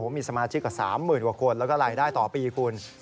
มีสมาชิกกว่า๓๐๐๐กว่าคนแล้วก็รายได้ต่อปีคุณ